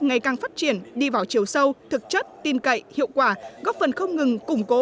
ngày càng phát triển đi vào chiều sâu thực chất tin cậy hiệu quả góp phần không ngừng củng cố